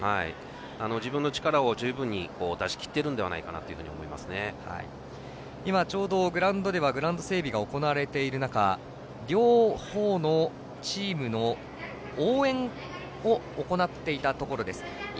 自分の力を十分に出しきってるのではないかなとグラウンドではグラウンド整備が行われている中両方のチームの応援を行っていたところです。